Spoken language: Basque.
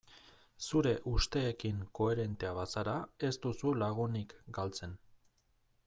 Zure usteekin koherentea bazara ez duzu lagunik galtzen.